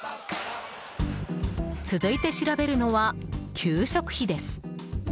続いて調べるのは給食費です。